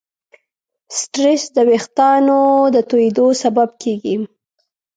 سټرېس د وېښتیانو د تویېدلو سبب کېږي.